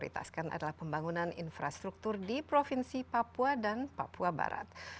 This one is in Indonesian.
jalan jalan tol